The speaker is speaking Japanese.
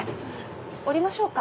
降りましょうか。